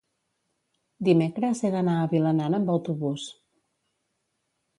dimecres he d'anar a Vilanant amb autobús.